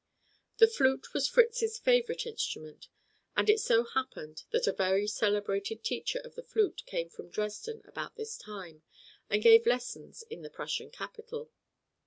The flute was Fritz's favorite instrument, and it so happened that a very celebrated teacher of the flute came from Dresden about this time, and gave lessons in the Prussian capital.